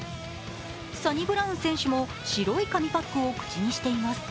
サニブラウン選手も白い紙カップを口にしています。